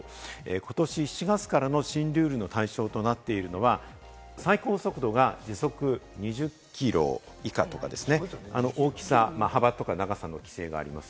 ことし７月からの新ルールの対象となっているのは、最高速度が時速２０キロ以下とかですね、大きさ、幅とか、長さの規制があります。